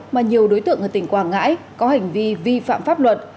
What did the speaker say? mà nhiều đối tượng ở tỉnh quảng ngãi có hành vi vi phạm pháp luật